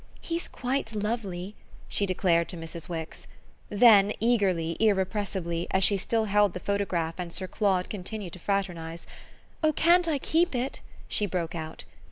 "He's quite lovely!" she declared to Mrs. Wix. Then eagerly, irrepressibly, as she still held the photograph and Sir Claude continued to fraternise, "Oh can't I keep it?" she broke out.